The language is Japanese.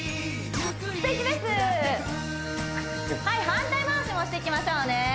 反対回しもしていきましょうね